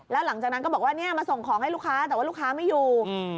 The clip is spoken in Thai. แล้วหลังจากนั้นก็บอกว่าเนี่ยมาส่งของให้ลูกค้าแต่ว่าลูกค้าไม่อยู่